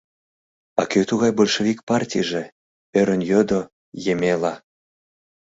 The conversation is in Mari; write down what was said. — А кӧ тугай большевик партийже? — ӧрын йодо Емела.